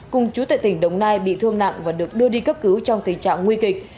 cùng chú tại tỉnh đồng nai bị thương nặng và được đưa đi cấp cứu trong tình trạng nguy kịch